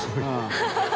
ハハハ